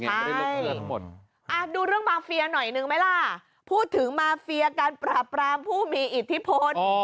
ดูเรื่องมาเฟียหน่อยนึงไหมล่ะพูดถึงมาเฟียการปราบรามผู้มีอิทธิพล